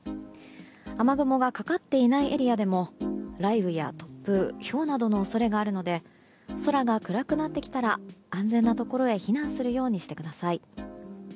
雨雲がかかっていないエリアでも雷雨や突風ひょうなどの恐れがあるので空が暗くなってきたら安全なところへ避難するようにしてください。